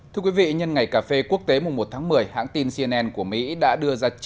thưa quý vị nhân ngày cà phê quốc tế mùng một tháng một mươi hãng tin cnn của mỹ đã đưa ra